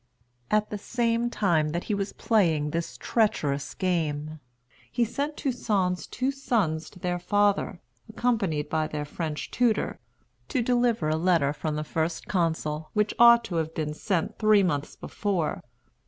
At the same time that he was playing this treacherous game, he sent Toussaint's two sons to their father, accompanied by their French tutor, to deliver a letter from the First Consul, which ought to have been sent three months before.